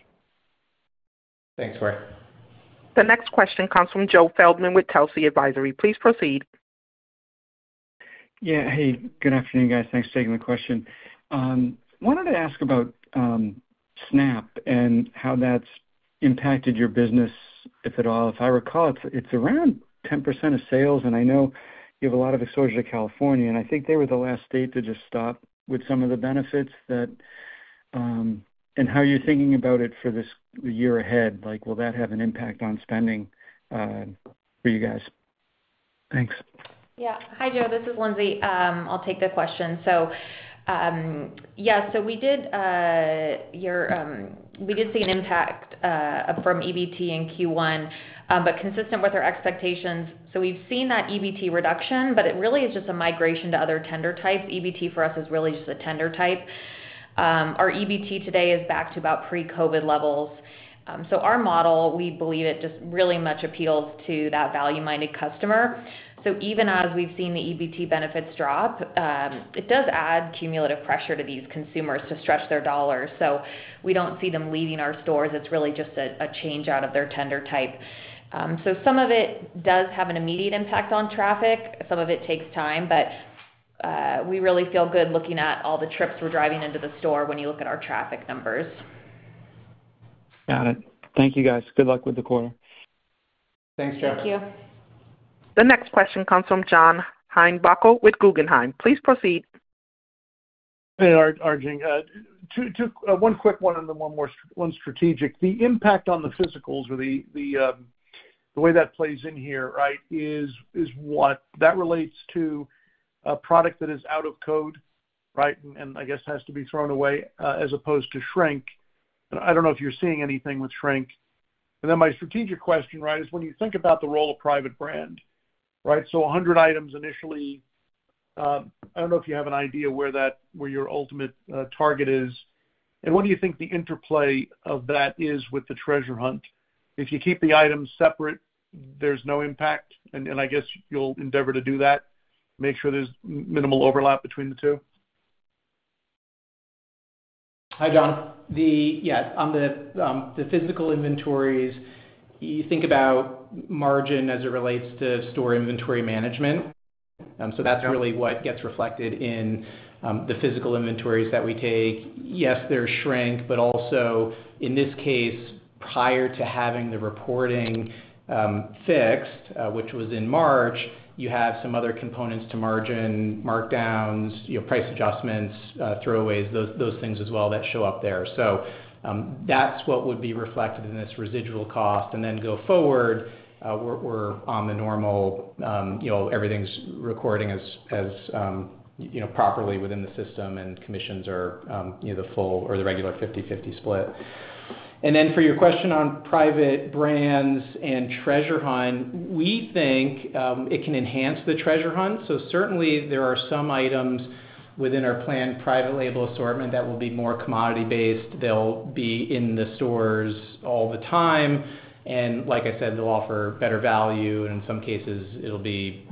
Thanks, Corey. The next question comes from Joe Feldman with Telsey Advisory Group. Please proceed. Yeah. Hey, good afternoon, guys. Thanks for taking the question. Wanted to ask about SNAP and how that's impacted your business, if at all. If I recall, it's, it's around 10% of sales, and I know you have a lot of exposure to California, and I think they were the last state to just stop with some of the benefits that... And how are you thinking about it for this, the year ahead? Like, will that have an impact on spending for you guys? Thanks. Yeah. Hi, Joe, this is Lindsay. I'll take the question. So, yeah, so we did see an impact from EBT in Q1, but consistent with our expectations. So we've seen that EBT reduction, but it really is just a migration to other tender types. EBT, for us, is really just a tender type. Our EBT today is back to about pre-COVID levels. So our model, we believe it just really much appeals to that value-minded customer. So even as we've seen the EBT benefits drop, it does add cumulative pressure to these consumers to stretch their dollars, so we don't see them leaving our stores. It's really just a change out of their tender type. So some of it does have an immediate impact on traffic, some of it takes time, but we really feel good looking at all the trips we're driving into the store when you look at our traffic numbers. Got it. Thank you, guys. Good luck with the quarter. Thanks, Joe. Thank you. The next question comes from John Heinbockel with Guggenheim. Please proceed. Hey, RJ, one quick one and then one more—one strategic. The impact on the physicals or the way that plays in here, right, is what? That relates to a product that is out of code, right, and I guess has to be thrown away, as opposed to shrink. I don't know if you're seeing anything with shrink. And then my strategic question, right, is when you think about the role of private brand, right, so 100 items initially. I don't know if you have an idea where your ultimate target is, and what do you think the interplay of that is with the treasure hunt? If you keep the items separate, there's no impact, and I guess you'll endeavor to do that, make sure there's minimal overlap between the two. Hi, John. The... Yeah, on the physical inventories, you think about margin as it relates to store inventory management. So that's really what gets reflected in the physical inventories that we take. Yes, there's shrink, but also, in this case, prior to having the reporting fixed, which was in March, you have some other components to margin, markdowns, you know, price adjustments, throwaways, those things as well that show up there. So, that's what would be reflected in this residual cost. And then go forward, we're on the normal, you know, everything's recording as properly within the system, and commissions are either full or the regular 50/50 split. And then for your question on private brands and treasure hunt, we think it can enhance the treasure hunt. So certainly, there are some items within our planned private label assortment that will be more commodity-based. They'll be in the stores all the time, and like I said, they'll offer better value, and in some cases, it'll be,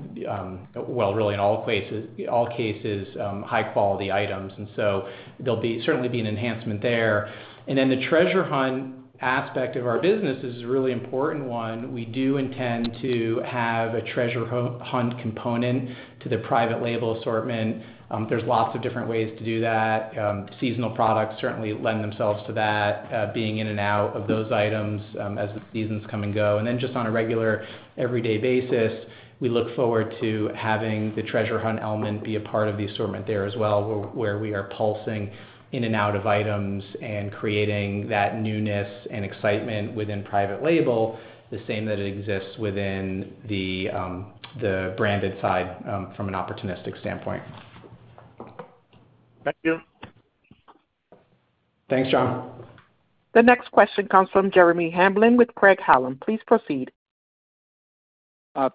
well, really, in all cases, high-quality items. And so there'll certainly be an enhancement there. And then the treasure hunt aspect of our business is a really important one. We do intend to have a treasure hunt component to the private label assortment. There's lots of different ways to do that. Seasonal products certainly lend themselves to that, being in and out of those items, as the seasons come and go. And then just on a regular, everyday basis, we look forward to having the treasure hunt element be a part of the assortment there as well, where we are pulsing in and out of items and creating that newness and excitement within private label, the same that exists within the branded side, from an opportunistic standpoint. Thank you. Thanks, John. The next question comes from Jeremy Hamblin with Craig-Hallum. Please proceed.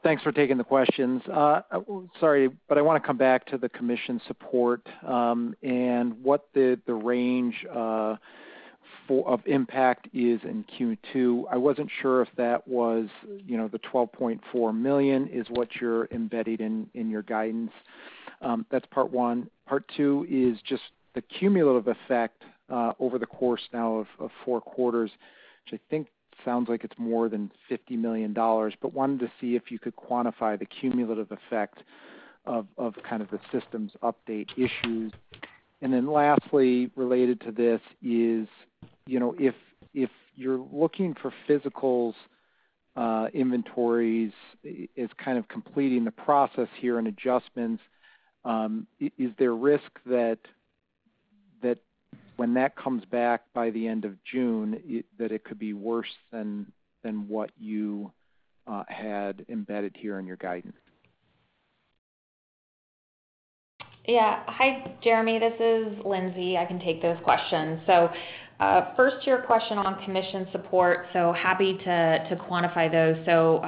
Thanks for taking the questions. Sorry, but I wanna come back to the commission support, and what the, the range, of impact is in Q2. I wasn't sure if that was, you know, the $12.4 million is what you're embedded in, in your guidance. That's part one. Part two is just the cumulative effect, over the course now of, of four quarters, which I think sounds like it's more than $50 million, but wanted to see if you could quantify the cumulative effect of, of kind of the systems update issues. And then lastly, related to this is, you know, if you're looking for physical inventories as kind of completing the process here and adjustments, is there a risk that when that comes back by the end of June, it could be worse than what you had embedded here in your guidance? Yeah. Hi, Jeremy, this is Lindsay. I can take those questions. So, first, your question on commission support, so happy to quantify those. So,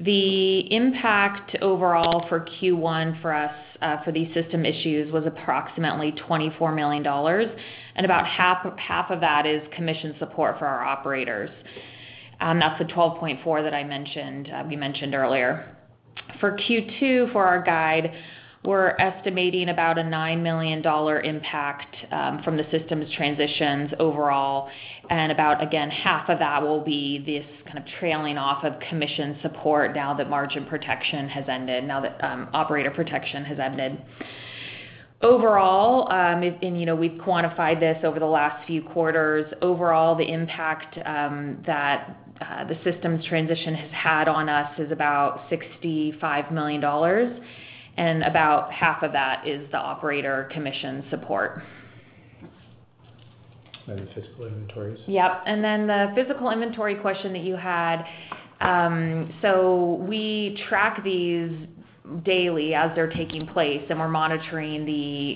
the impact overall for Q1 for us, for these system issues was approximately $24 million, and about half of that is commission support for our operators. That's the 12.4 that I mentioned, we mentioned earlier. For Q2, for our guide, we're estimating about a $9 million impact, from the systems transitions overall, and about, again, half of that will be this kind of trailing off of commission support now that margin protection has ended, now that operator protection has ended. Overall, and, you know, we've quantified this over the last few quarters. Overall, the impact that the systems transition has had on us is about $65 million, and about half of that is the operator commission support. The physical inventories. Yep. And then the physical inventory question that you had, so we track these daily as they're taking place, and we're monitoring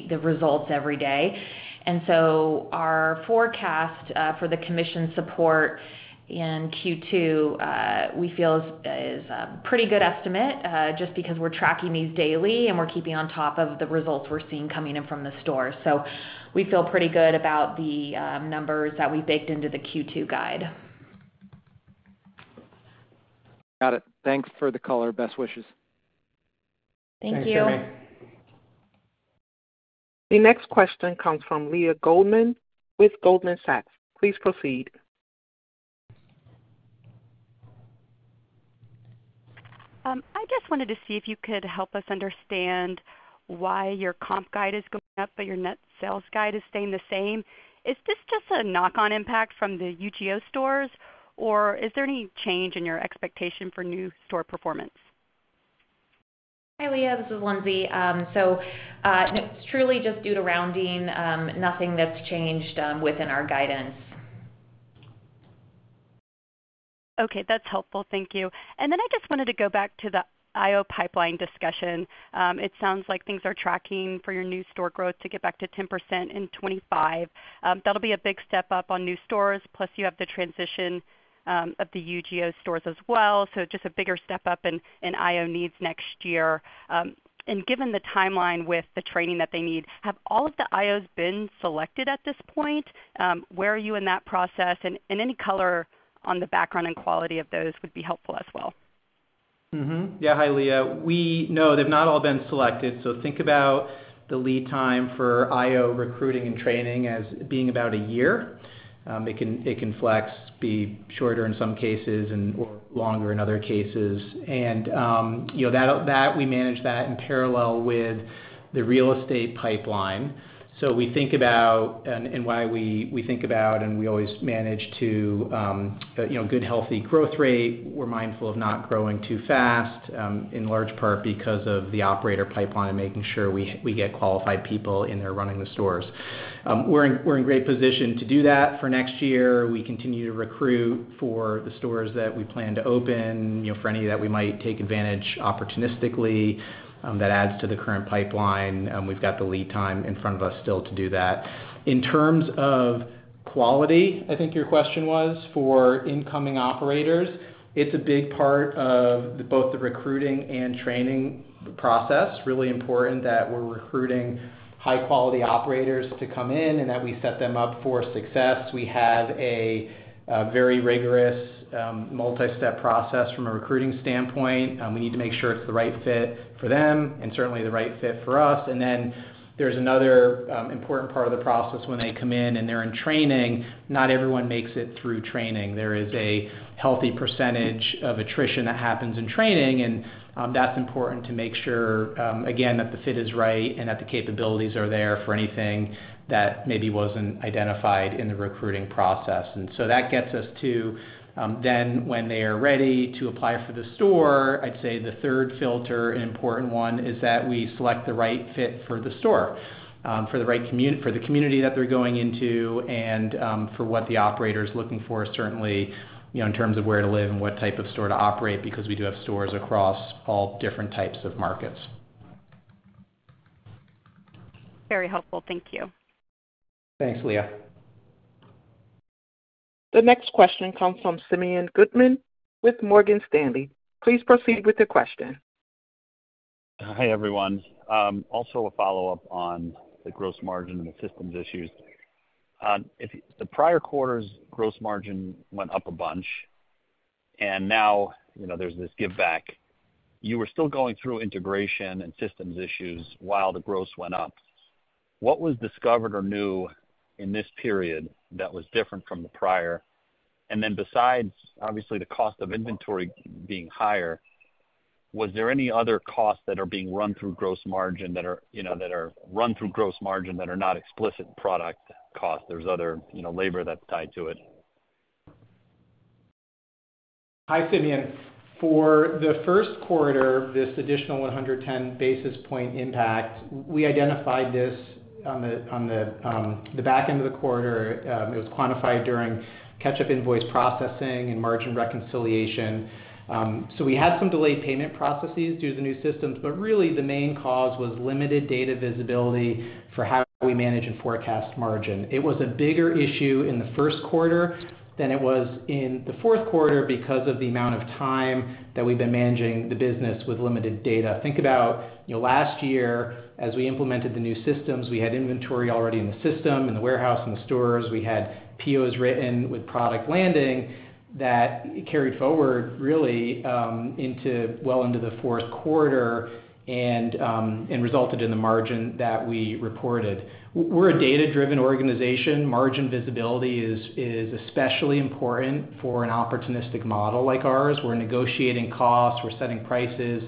the results every day. And so our forecast for the commission support in Q2, we feel is a pretty good estimate, just because we're tracking these daily, and we're keeping on top of the results we're seeing coming in from the store. So we feel pretty good about the numbers that we baked into the Q2 guide. Got it. Thanks for the color. Best wishes. Thank you. Thanks, Jeremy. The next question comes from Leah Jordan with Goldman Sachs. Please proceed. I just wanted to see if you could help us understand why your comp guide is going up, but your net sales guide is staying the same. Is this just a knock-on impact from the UGO stores, or is there any change in your expectation for new store performance? Hi, Leah, this is Lindsay. No, it's truly just due to rounding, nothing that's changed within our guidance. Okay, that's helpful. Thank you. And then I just wanted to go back to the IO pipeline discussion. It sounds like things are tracking for your new store growth to get back to 10% in 2025. That'll be a big step up on new stores, plus you have the transition of the UGO stores as well. So just a bigger step up in IO needs next year. And given the timeline with the training that they need, have all of the IOs been selected at this point? Where are you in that process? And any color on the background and quality of those would be helpful as well. Mm-hmm. Yeah. Hi, Leah. We—no, they've not all been selected, so think about the lead time for IO recruiting and training as being about a year. It can flex, be shorter in some cases and or longer in other cases. And, you know, that we manage that in parallel with the real estate pipeline. So we think about and why we think about, and we always manage to, you know, good, healthy growth rate. We're mindful of not growing too fast, in large part because of the operator pipeline and making sure we get qualified people in there running the stores. We're in great position to do that for next year. We continue to recruit for the stores that we plan to open, you know, for any that we might take advantage opportunistically, that adds to the current pipeline, and we've got the lead time in front of us still to do that. In terms of quality, I think your question was for incoming operators. It's a big part of both the recruiting and training process. Really important that we're recruiting high-quality operators to come in and that we set them up for success. We have a very rigorous, multi-step process from a recruiting standpoint. We need to make sure it's the right fit for them and certainly the right fit for us. And then there's another important part of the process when they come in and they're in training, not everyone makes it through training. There is a healthy percentage of attrition that happens in training, and that's important to make sure, again, that the fit is right and that the capabilities are there for anything that maybe wasn't identified in the recruiting process. And so that gets us to, then when they are ready to apply for the store, I'd say the third filter, an important one, is that we select the right fit for the store, for the right community that they're going into, and for what the operator is looking for, certainly, you know, in terms of where to live and what type of store to operate, because we do have stores across all different types of markets. Very helpful. Thank you. Thanks, Leah. The next question comes from Simeon Gutman with Morgan Stanley. Please proceed with your question. Hi, everyone. Also, a follow-up on the gross margin and the systems issues. If the prior quarter's gross margin went up a bunch, and now, you know, there's this giveback, you were still going through integration and systems issues while the gross went up. What was discovered or new in this period that was different from the prior? And then besides, obviously, the cost of inventory being higher, was there any other costs that are being run through gross margin that are, you know, that are run through gross margin that are not explicit product costs? There's other, you know, labor that's tied to it. Hi, Simeon. For the first quarter, this additional 110 basis point impact, we identified this on the back end of the quarter. It was quantified during catch-up invoice processing and margin reconciliation. So we had some delayed payment processes due to the new systems, but really the main cause was limited data visibility for how we manage and forecast margin. It was a bigger issue in the first quarter than it was in the fourth quarter because of the amount of time that we've been managing the business with limited data. Think about, you know, last year, as we implemented the new systems, we had inventory already in the system, in the warehouse, in the stores. We had POs written with product landing that carried forward really, well into the fourth quarter and resulted in the margin that we reported. We're a data-driven organization. Margin visibility is especially important for an opportunistic model like ours. We're negotiating costs, we're setting prices,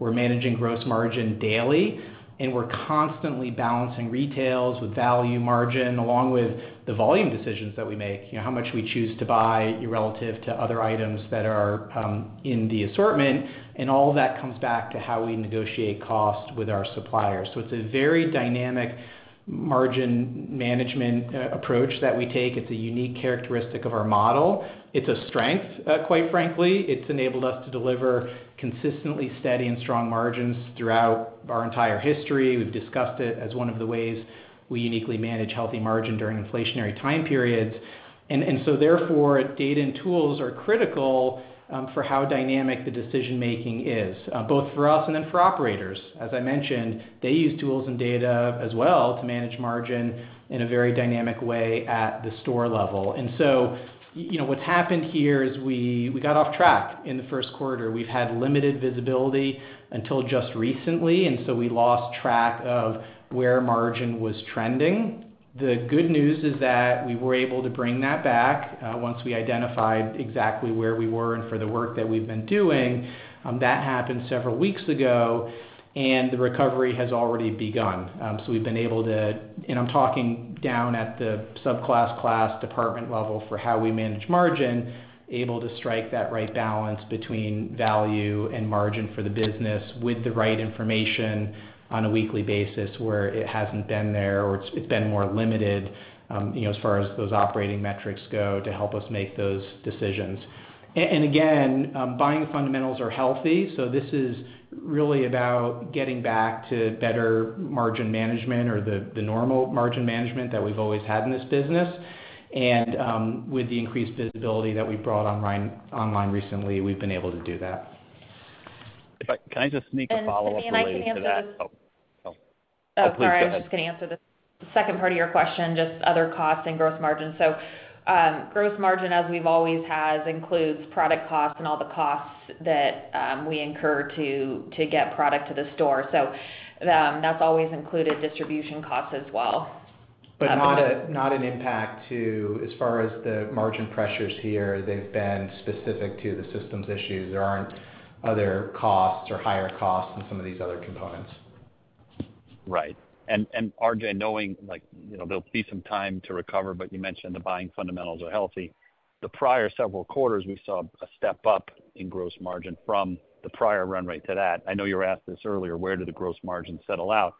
we're managing gross margin daily, and we're constantly balancing retails with value margin, along with the volume decisions that we make. You know, how much we choose to buy relative to other items that are in the assortment, and all of that comes back to how we negotiate costs with our suppliers. So it's a very dynamic margin management approach that we take. It's a unique characteristic of our model. It's a strength, quite frankly. It's enabled us to deliver consistently steady and strong margins throughout our entire history. We've discussed it as one of the ways we uniquely manage healthy margin during inflationary time periods. So therefore, data and tools are critical for how dynamic the decision making is, both for us and then for operators. As I mentioned, they use tools and data as well to manage margin in a very dynamic way at the store level. So, you know, what's happened here is we got off track in the first quarter. We've had limited visibility until just recently, and so we lost track of where margin was trending. The good news is that we were able to bring that back once we identified exactly where we were and for the work that we've been doing. That happened several weeks ago, and the recovery has already begun. So we've been able to... And I'm talking down at the subclass, class, department level for how we manage margin, able to strike that right balance between value and margin for the business with the right information on a weekly basis, where it hasn't been there or it's been more limited, you know, as far as those operating metrics go, to help us make those decisions. And again, buying fundamentals are healthy, so this is really about getting back to better margin management or the, the normal margin management that we've always had in this business. And, with the increased visibility that we brought online, online recently, we've been able to do that. ... can I just sneak a follow-up related to that? Simeon, I can answer- Oh, oh. Oh, sorry. Please, go ahead. I was just going to answer the second part of your question, just other costs and gross margin. So, gross margin, as we've always had, includes product costs and all the costs that, we incur to get product to the store. So, that's always included distribution costs as well. But not an impact, as far as the margin pressures here, they've been specific to the systems issues. There aren't other costs or higher costs than some of these other components. Right. And RJ, knowing, like, you know, there'll be some time to recover, but you mentioned the buying fundamentals are healthy. The prior several quarters, we saw a step up in gross margin from the prior run rate to that. I know you were asked this earlier, where did the gross margin settle out?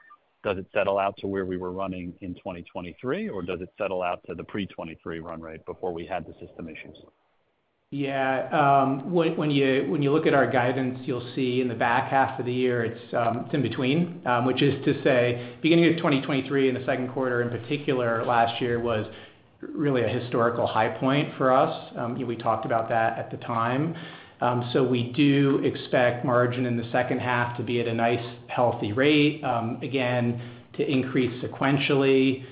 Does it settle out to where we were running in 2023, or does it settle out to the pre-2023 run rate before we had the system issues? Yeah. When you look at our guidance, you'll see in the back half of the year, it's in between. Which is to say, beginning of 2023, in the second quarter in particular, last year was really a historical high point for us. We talked about that at the time. So we do expect margin in the second half to be at a nice, healthy rate, again, to increase sequentially,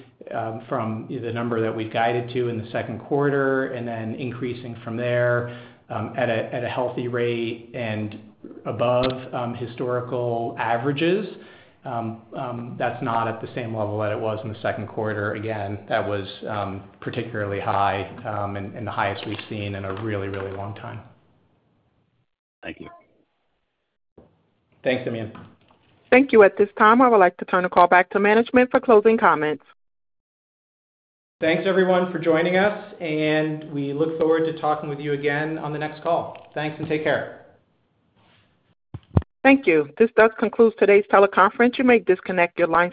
from the number that we've guided to in the second quarter, and then increasing from there, at a healthy rate and above historical averages. That's not at the same level that it was in the second quarter. Again, that was particularly high, and the highest we've seen in a really, really long time. Thank you. Thanks, Simeon. Thank you. At this time, I would like to turn the call back to management for closing comments. Thanks, everyone, for joining us, and we look forward to talking with you again on the next call. Thanks, and take care. Thank you. This does conclude today's teleconference. You may disconnect your lines.